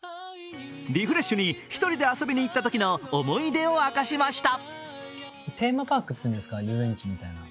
リフレッシュに１人で遊びに行ったときの思い出を明かしました。